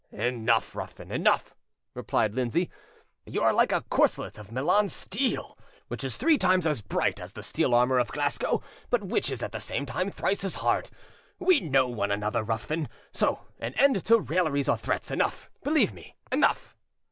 "Enough, Ruthven, enough," replied Lindsay; "you are like a corselet of Milan steel, which is three times as bright as the steel armour of Glasgow, but which is at the same time thrice as hard: we know one another, Ruthven, so an end to railleries or threats; enough, believe me, enough."